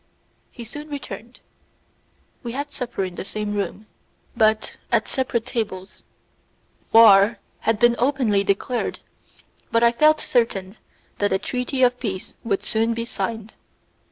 He soon returned; we had supper in the same room, but at separate tables; war had been openly declared, but I felt certain that a treaty of peace would soon be signed.